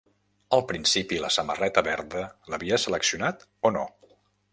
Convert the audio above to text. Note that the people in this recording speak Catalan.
Al principi, la samarreta verda l'havia seleccionat o no?